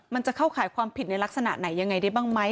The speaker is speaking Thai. มันจะเข้าขายความผิดในลักษณะไหนยังไงได้บ้างไหม